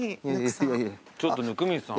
ちょっと温水さん。